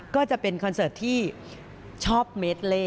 ก็จะเป็นคอนเสิร์ตที่ชอบเมดเล่